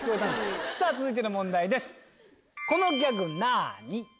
続いての問題です。